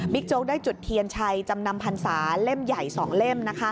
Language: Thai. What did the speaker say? โจ๊กได้จุดเทียนชัยจำนำพันศาเล่มใหญ่๒เล่ม